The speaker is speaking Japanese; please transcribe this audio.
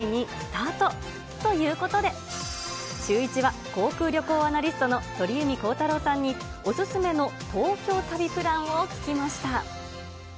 東京もついにスタート、ということで、シューイチは、航空・旅行アナリストの鳥海高太朗さんに、お勧めの東京旅プランを聞きました。